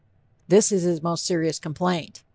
This is his most serious complaint.